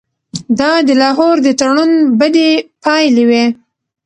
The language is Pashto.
دا د لاهور د تړون بدې پایلې وې.